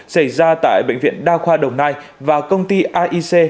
xảy ra tại bệnh viện đa khoa đồng nai và công ty aic